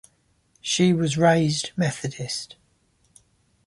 She was raised Methodist.